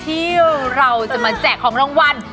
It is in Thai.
ที่เราจะมาแจกของรางวัล